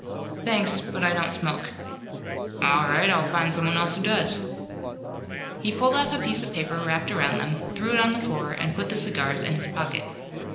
"Thanks, but I don't smoke." "All right, I'll find someone else who does." He pulled off a piece of paper wrapped around them, threw it on the floor and put the cigars in his pocket.